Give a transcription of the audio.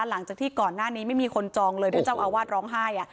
หลังจากที่ก่อนหน้านี้ไม่มีคนจองเลยถ้าเจ้าอาวาสร้องไห้